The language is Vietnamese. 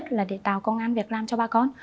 thứ hai là để tạo công an việt nam cho bà con